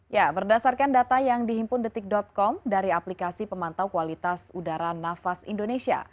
ya berdasarkan data yang dihimpun detik com dari aplikasi pemantau kualitas udara nafas indonesia